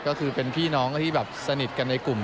ก็คือเป็นพี่น้องที่แบบสนิทกันในกลุ่ม